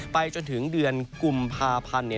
จนถึงเดือนกุมภาพันธ์